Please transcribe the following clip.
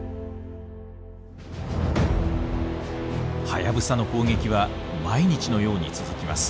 ハヤブサの攻撃は毎日のように続きます。